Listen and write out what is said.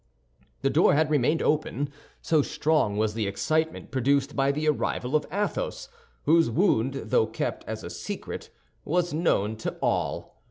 The door had remained open, so strong was the excitement produced by the arrival of Athos, whose wound, though kept as a secret, was known to all.